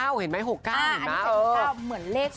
วุ๊ย๗๖๙เห็นไหม๖๙